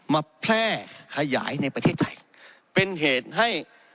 มาแพร่ขยายในประเทศไทยเป็นเหตุให้